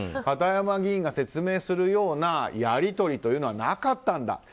片山議員が説明するようなやり取りというのはなかったんだ。